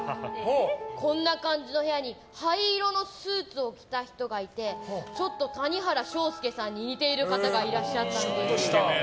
こんな感じの部屋に灰色のスーツを着た人がいてちょっと谷原章介さんに似ている方がいらっしゃったんです。